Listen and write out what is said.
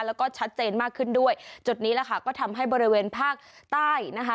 แล้วก็ชัดเจนมากขึ้นด้วยจุดนี้แหละค่ะก็ทำให้บริเวณภาคใต้นะคะ